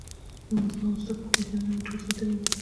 زما وستا پټ دیدنونه مې ټول ساتلي دي